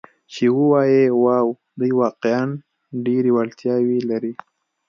چې ووایي: 'واو، دوی واقعاً ډېرې وړتیاوې لري.